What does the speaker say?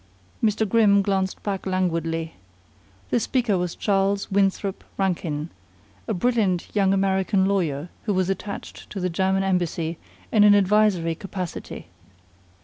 Mr. Grimm glanced back languidly. The speaker was Charles Winthrop Rankin, a brilliant young American lawyer who was attached to the German embassy in an advisory capacity.